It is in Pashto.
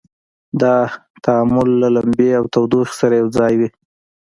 دا تعامل له لمبې او تودوخې سره یو ځای وي.